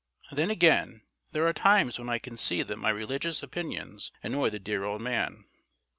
Then, again, there are times when I can see that my religious opinions annoy the dear old man.